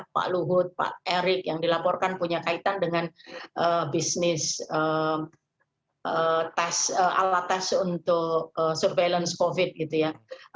pak luhut pak erick yang dilaporkan punya kaitan dengan bisnis alat tes untuk surveillance covid gitu ya